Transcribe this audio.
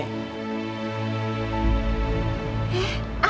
kita akan mencapai kebahagiaan